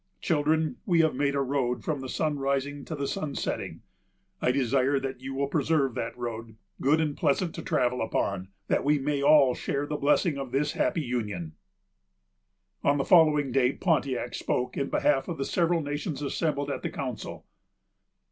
"Children, we have made a road from the sunrising to the sunsetting. I desire that you will preserve that road good and pleasant to travel upon, that we may all share the blessings of this happy union." On the following day, Pontiac spoke in behalf of the several nations assembled at the council.